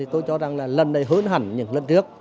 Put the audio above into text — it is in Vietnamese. tôi cho rằng là lần này hơn hẳn những lần trước